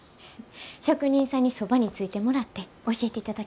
職人さんにそばについてもらって教えていただきます。